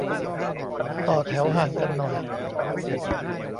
ต่อแถวห่างกันหน่อย